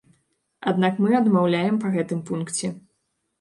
Аднак мы адмаўляем па гэтым пункце.